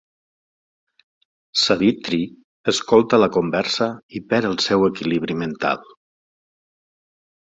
Savithri escolta la conversa i perd el seu equilibri mental.